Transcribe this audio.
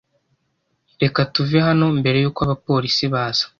Reka tuve hano mbere yuko abapolisi baza.